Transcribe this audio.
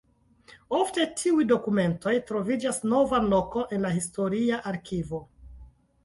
Ofte tiuj dokumentoj trovas novan lokon en la historia arkivo.